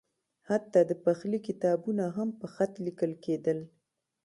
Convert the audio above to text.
حتی د پخلي کتابونه هم په خط لیکل کېدل.